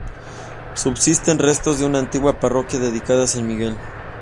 Subsisten restos de su antigua parroquia dedicada a San Miguel.